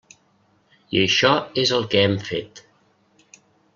I això és el que hem fet.